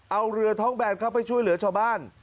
เอาเรือท้องแบนเข้าไปช่วยเหลือชาวบ้าน